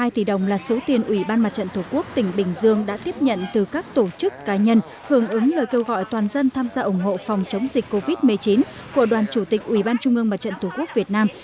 một mươi tỷ đồng là số tiền ủy ban mặt trận tổ quốc tỉnh bình dương đã tiếp nhận từ các tổ chức cá nhân hưởng ứng lời kêu gọi toàn dân tham gia ủng hộ phòng chống dịch covid một mươi chín của đoàn chủ tịch ủy ban trung ương mặt trận tổ quốc việt nam